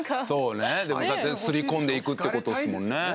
そうねだって刷り込んでいくってことですもんね。